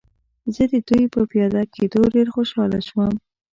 زه د دوی په پیاده کېدو ډېر خوشحاله شوم.